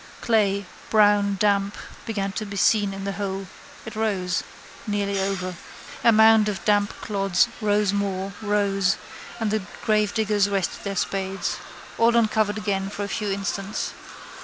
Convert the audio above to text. Clay, brown, damp, began to be seen in the hole. It rose. Nearly over. A mound of damp clods rose more, rose, and the gravediggers rested their spades. All uncovered again for a few instants.